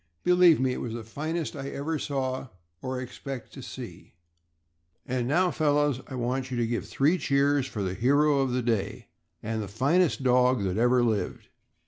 Believe me, it was the finest I ever saw or expect to see. And now, fellows, I want you to give three cheers for the hero of the day and the finest dog that ever lived.